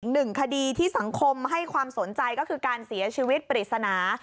หนึ่งคดีที่สังคมให้ความสนใจก็คือการเสียชีวิตปริศนา